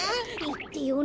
いってよ。